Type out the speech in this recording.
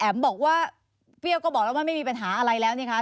บอกว่าเปรี้ยวก็บอกแล้วว่าไม่มีปัญหาอะไรแล้วนี่คะ